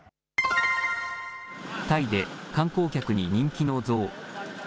タイで観光客に人気の象。